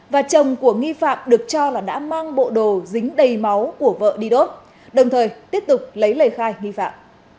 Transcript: và chồng của nghi phạm được cho là đã mang bộ đồ dính đầy máu của vợ đi đốt đồng thời tiếp tục lấy lời khai nghi phạm